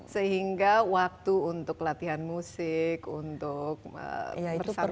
sehingga waktu untuk latihan musik untuk bersantai santai